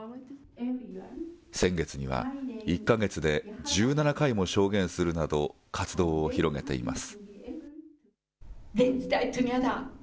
先月には、１か月で１７回も証言するなど、活動を広げています。